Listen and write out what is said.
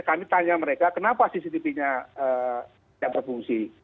kami tanya mereka kenapa cctv nya tidak berfungsi